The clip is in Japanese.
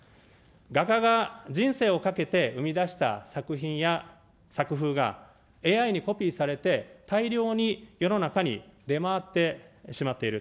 画家が人生をかけて生み出した作品や作風が、ＡＩにコピーされて、大量に世の中に出回ってしまっている。